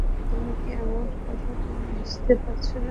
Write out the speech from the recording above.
তুমি কি আমার কথা বুঝতে পারছ না?